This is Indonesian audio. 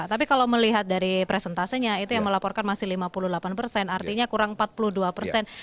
tapi kalau melihat dari presentasenya itu yang melaporkan masih lima puluh delapan persen artinya kurang empat puluh dua persen